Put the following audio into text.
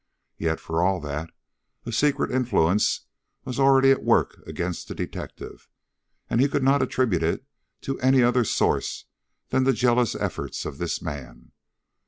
Yet, for all that, a secret influence was already at work against the detective, and he could not attribute it to any other source than the jealous efforts of this man.